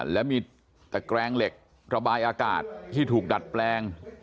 และมีตะแกรงเหล็กระบายอากาศที่ถูกดัดแปลง